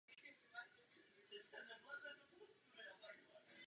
Listy na bázi stonku jsou šupinovité a směrem vzhůru se postupně zvětšují.